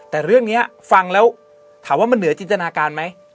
แต่เรื่องนี้ฟังแล้วถามว่ามันเหนือจินตนาการไหม